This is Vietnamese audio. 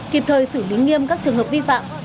kịp thời xử lý nghiêm các trường hợp vi phạm